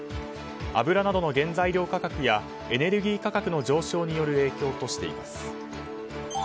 油などの原材料価格やエネルギー価格の上昇が原因としています。